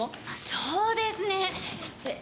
そうですねえ。